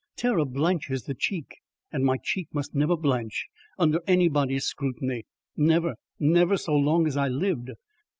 Terror blanches the cheek and my cheek must never blanch under anybody's scrutiny. Never, never, so long as I lived.